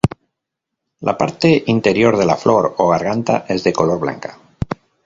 La parte interior de la flor o garganta es de color blanca.